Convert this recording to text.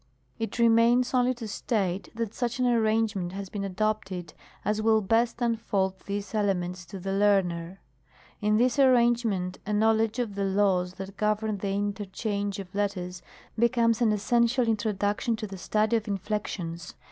It remains only to state, that such an arrangement has been adopted as will best unfold these elements to the learner. In this arrangement a knowledge of the laws that govern the in terchange of letters becomes an essential introduction to the study of inflections.